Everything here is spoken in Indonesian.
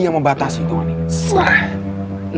yang membatasi kamu nih